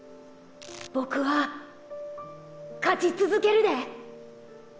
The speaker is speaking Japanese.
ボクは勝ち続けるで。